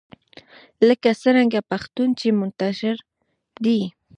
لکه څرنګه پښتون چې منتشر دی